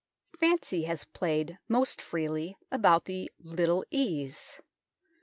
Fancy has played most freely about the " Little Ease."